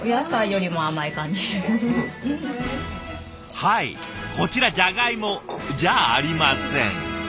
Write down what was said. はいこちらジャガイモじゃありません。